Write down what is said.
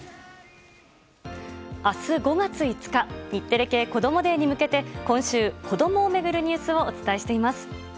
明日５月５日日テレ系こどもｄａｙに向けて今週、子供を巡るニュースをお伝えしています。